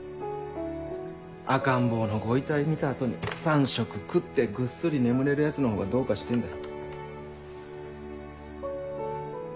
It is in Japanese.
赤ん坊のご遺体見た後に三食食ってぐっすり眠れるヤツのほうがどうかしてんだよ。